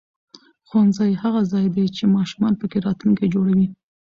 ښوونځی هغه ځای دی چې ماشومان پکې راتلونکی جوړوي